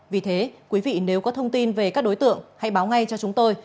vì thế quý vị nếu có thông tin về các đối tượng hãy báo ngay cho chúng tôi